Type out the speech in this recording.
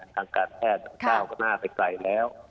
ทางการแพทย์ก้าวหน้าไปไกลแล้ว